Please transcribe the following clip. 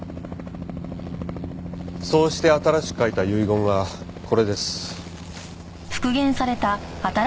そうして新しく書いた遺言がこれです。